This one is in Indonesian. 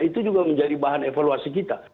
itu juga menjadi bahan evaluasi kita